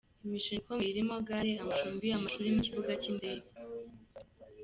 Imishinga ikomeye irimo Gare, amacumbi, amashuri n’ikibuga cy’indege.